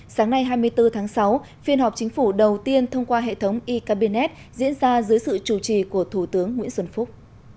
sáng nay hai mươi bốn tháng sáu phiên họp chính phủ đầu tiên thông qua hệ thống e cabinet diễn ra dưới sự chủ trì của thủ tướng nguyễn xuân phúc